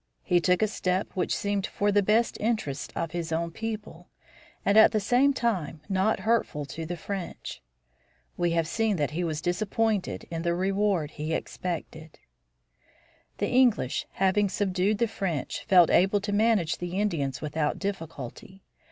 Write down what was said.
He took a step which seemed for the best interests of his own people, and, at the same time, not hurtful to the French. We have seen that he was disappointed in the reward he expected. The English, having subdued the French, felt able to manage the Indians without difficulty.